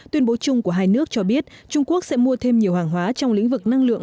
tuyên bố chung của hai nước cho biết trung quốc sẽ mua thêm nhiều hàng hóa trong lĩnh vực năng lượng